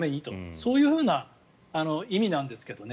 そういうふうな意味なんですけどね。